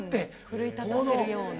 奮い立たせるような。